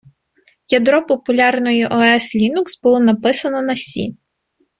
Ядро популярної ОС Linux було написане на Сі.